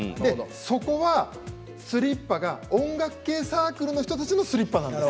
そこのスリッパは音楽系サークルの人たちのスリッパなんです。